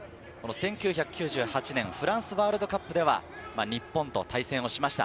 １９９８年、フランスワールドカップでは日本と対戦をしました。